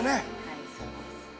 はい、そうです。